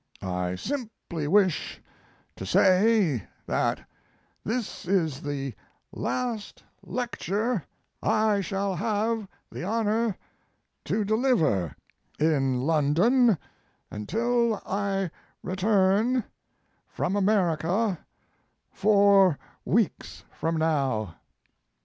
I simply wish to say that this is the last lecture I shall have the honor to deliver in London until I return from America, four weeks from now.